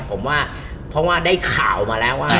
ผมว่าเพราะว่าได้ข่าวมาแล้วว่า